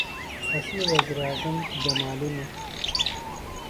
اسی وزیر اعظم جمالی نہ۔